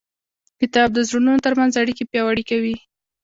کتاب د زړونو ترمنځ اړیکې پیاوړې کوي.